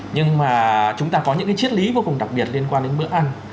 nhưng mà chúng ta có những cái chiết lý vô cùng đặc biệt liên quan đến bữa ăn